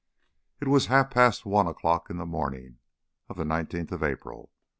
XIV It was half past one o'clock in the morning of the nineteenth of April.